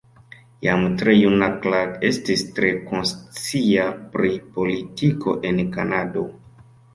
Jam tre juna Clark estis tre konscia pri politiko en Kanado.